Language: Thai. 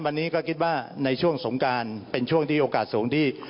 วันนี้ก็คิดว่าในช่วงสงการเป็นช่วงที่โอกาสสูงที่